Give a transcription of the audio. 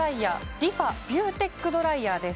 ＲｅＦａビューテックドライヤーです